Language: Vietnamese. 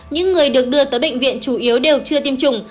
những người được đưa tới bệnh viện chủ yếu đều chưa tiêm chủng